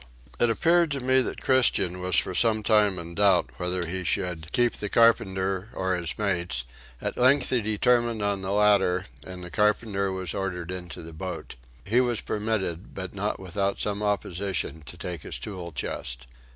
It appeared to me that Christian was some time in doubt whether he should keep the carpenter or his mates; at length he determined on the latter and the carpenter was ordered into the boat. He was permitted but not without some opposition to take his tool chest.